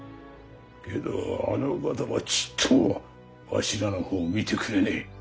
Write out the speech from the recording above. けどあのお方はちっともわしらの方を見てくれねえ。